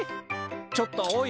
ちょっとおい！